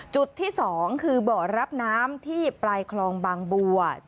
จุดที่๒คือบ่อรับน้ำที่ปลายคลองบางบัว